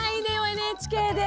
ＮＨＫで！